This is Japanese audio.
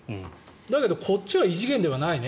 だけどこっちは異次元ではないね